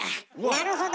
なるほど。